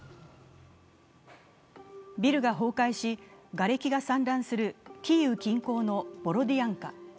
ビルが崩壊し、がれきが散乱するキーウ近郊のボロディアンカ。